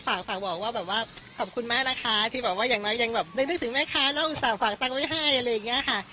ค่ะค่ะก็ฝากบอกว่าแบบว่าขอบคุณมากนะคะที่บอกว่ายังนึกถึงแม่ค้าแล้วอุตส่าห์ฝากตั้งไว้ให้อะไรอย่างนี้ค่ะ